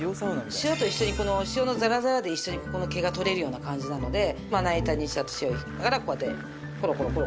塩と一緒に塩のザラザラで一緒にここの毛が取れるような感じなのでまな板に塩を引いてからこうやってコロコロコロコロ。